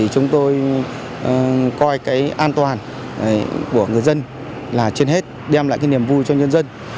chúng tôi coi cái an toàn của người dân là trên hết đem lại niềm vui cho nhân dân